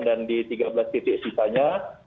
dan di tiga belas titik sisanya